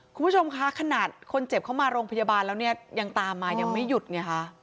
คุณผู้ชมคะขนาดคนเจ็บเข้ามาโรงพยาบาลแล้วเนี่ยยังตามมายังไม่หยุดไงคะ